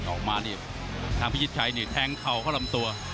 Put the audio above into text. ออกมานี่ทางพิชิตชัยนี่แทงเข่าเข้าลำตัว